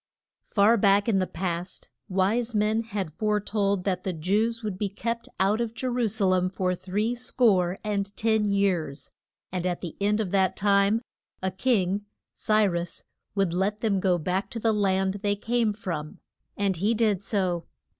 FAR back in the past, wise men had fore told that the Jews would be kept out of Je ru sa lem for three score and ten years, and at the end of that time a king, Cy rus, would let them go back to the land they came from. And he did so.